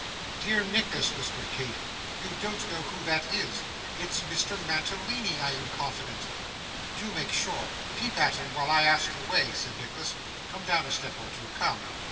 'Dear Nicholas,' whispered Kate, 'you don't know who that is. It's Mr Mantalini I am confident.' 'Do make sure! Peep at him while I ask the way,' said Nicholas. 'Come down a step or two. Come!